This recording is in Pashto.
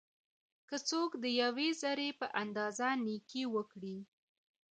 که څوک د یوې ذري په اندازه نيکي وکړي؛